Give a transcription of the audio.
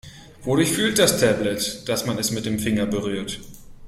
Wodurch fühlt das Tablet, dass man es mit dem Finger berührt?